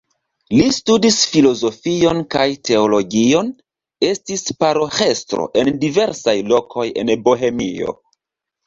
Li studis filozofion kaj teologion, estis paroĥestro en diversaj lokoj en Bohemio.